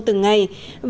từng ngày đến hôm nay